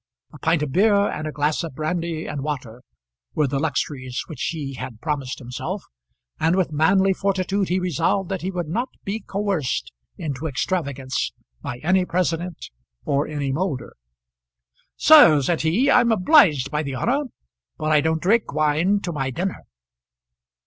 A pint of beer and a glass of brandy and water were the luxuries which he had promised himself, and with manly fortitude he resolved that he would not be coerced into extravagance by any president or any Moulder. "Sir," said he, "I'm obliged by the honour, but I don't drink wine to my dinner."